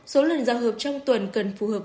số lần giao hợp trong tuần cần phù hợp